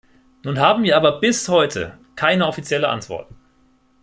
Nun haben wir aber bis heute keine offizielle Antwort.